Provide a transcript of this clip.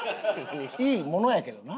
いいものやけどな。